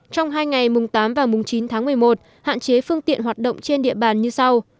trong hai ngày tám chín một mươi một hạn chế phương tiện hoạt động trên địa bàn như sau